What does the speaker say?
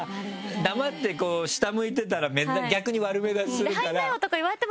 黙って下向いてたら逆に悪目立ちするから。